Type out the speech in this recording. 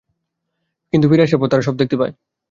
কিন্তু ফিরে আসার পর তারা সব দেখতে পায়।